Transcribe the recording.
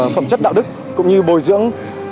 phẩm chất đạo đức cũng như bồi dưỡng